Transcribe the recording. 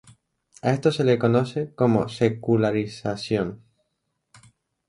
A esto se le conoce como secularización.